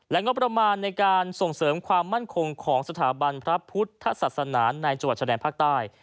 งบประมาณในการส่งเสริมความมั่นคงของสถาบันพระพุทธศาสนาในจังหวัดชะแดนภาคใต้